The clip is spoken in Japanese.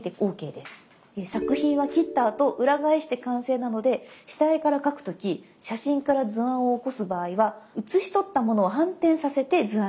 作品は切ったあと裏返して完成なので下絵から描く時写真から図案を起こす場合は写しとったものを反転させて図案にしましょう。